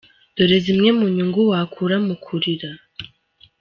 Dore zimwe mu nyungu wakura mu kurira:.